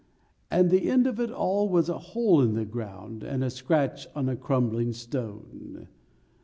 And the end of it all was a hole in the ground And a scratch on a crumbling stone.